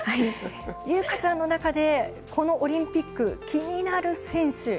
優香ちゃんの中でこのオリンピックで気になる選手